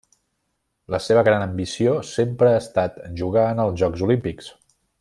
La seva gran ambició sempre ha estat jugar en els Jocs Olímpics.